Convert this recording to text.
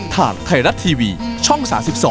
ฐานไทรัตทีวีช่อง๓๒